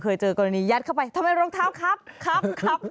เจอกรณียัดเข้าไปทำไมรองเท้าครับครับ